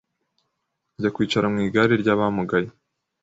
njya kwicara mu igare ry’abamugaye.